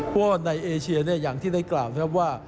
เพราะว่าในเอเชียเนี่ยอย่างที่ได้กล่าวนะครับว่า